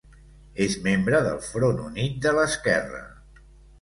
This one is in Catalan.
És membre del Front Unit de l'Esquerra.